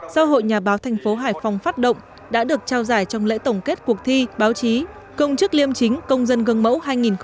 do hội nhà báo thành phố hải phòng phát động đã được trao giải trong lễ tổng kết cuộc thi báo chí công chức liêm chính công dân gần mẫu hai nghìn một mươi chín